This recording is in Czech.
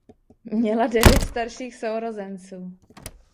Měla devět starších sourozenců.